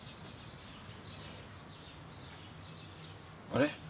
あれ？